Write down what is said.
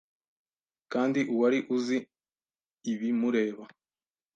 Kandi uwari uzi ibimureba